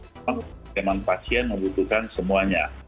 teman teman pasien membutuhkan semuanya